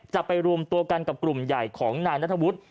จะไปรวมตัวกันกับกลุ่มใหญ่ของนายนัทวุฒิ